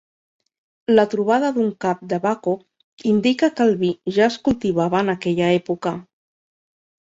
La trobada d"un cap de Baco indica que el vi ja es cultivava en aquella època.